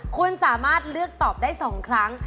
คุณสามารถเลือกตอบได้๒ครั้ง